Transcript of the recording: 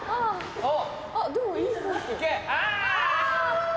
あっ！